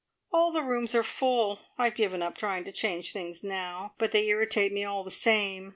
"All the rooms are full. I've given up trying to change things now, but they irritate me all the same.